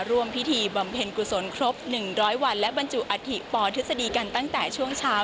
ร่วมพิธีบำเพ็ญกุศลครบ๑๐๐วันและบรรจุอัฐิปอทฤษฎีกันตั้งแต่ช่วงเช้า